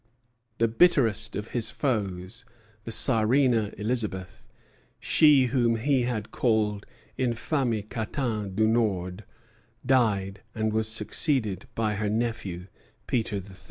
The bitterest of his foes, the Czarina Elizabeth, she whom he had called infâme catin du Nord, died, and was succeeded by her nephew, Peter III.